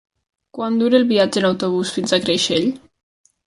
Quant dura el viatge en autobús fins a Creixell?